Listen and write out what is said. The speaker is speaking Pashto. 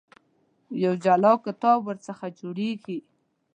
یو جلا کتاب ورڅخه جوړېږي.